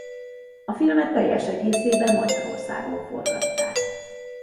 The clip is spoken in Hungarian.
A filmet teljes egészében Magyarországon forgatták.